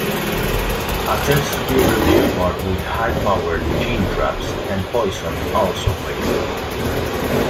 Attempts to kill the leopard with high powered gin traps and poison also failed.